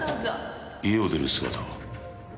家を出る姿は？